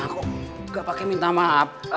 kok gak pake minta maaf